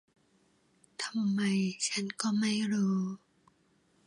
ทำไมฉันก็ไม่รู้